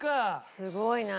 すごいな。